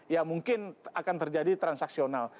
ya mungkin akan terjadi transaksional